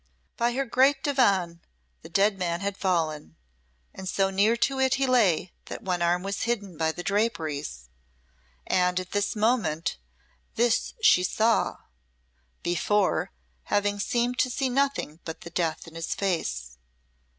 By her great divan the dead man had fallen, and so near to it he lay that one arm was hidden by the draperies; and at this moment this she saw before having seemed to see nothing but the death in his face.